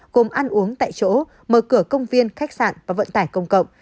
gồm ăn uống tại chỗ mở cửa công viên khách sạn và vận tải công cộng